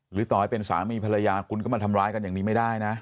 ต่อให้เป็นสามีภรรยาคุณก็มาทำร้ายกันอย่างนี้ไม่ได้นะ